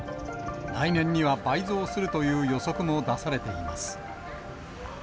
来年には倍増するという予測も出されています。